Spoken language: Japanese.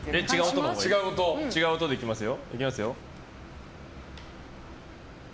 違う音でいきますよ。